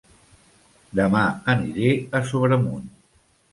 Dema aniré a Sobremunt